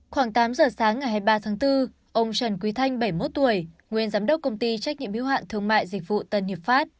khoảng tám giờ sáng ngày hai mươi ba tháng bốn ông trần quý thanh bảy mươi một tuổi nguyên giám đốc công ty trách nhiệm hiếu hạn thương mại dịch vụ tân hiệp pháp